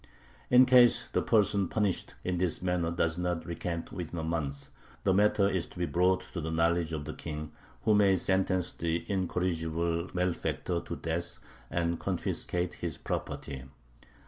In case the person punished in this manner does not recant within a month, the matter is to be brought to the knowledge of the king, who may sentence the incorrigible malefactor to death and confiscate his property.